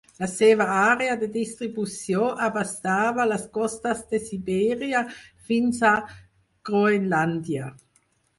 La seva àrea de distribució abastava les costes de Sibèria fins a Groenlàndia.